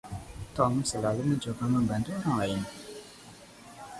Tom selalu mencoba membantu orang lain.